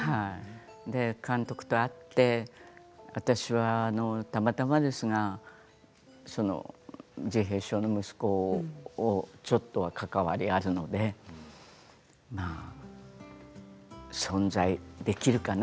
監督と会って私はたまたまですが自閉症の息子をちょっとは関わりがあるので存在できるかな？